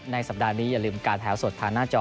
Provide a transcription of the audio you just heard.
สัปดาห์นี้อย่าลืมการแถวสดทางหน้าจอ